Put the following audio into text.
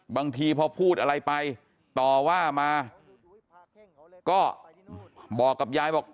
บางทีพอพูดอะไรไปต่อว่ามาก็บอกกับยายบอก